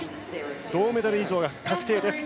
銅メダル以上が確定です。